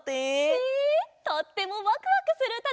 へえとってもワクワクするうただよね！